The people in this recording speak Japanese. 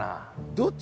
どっち？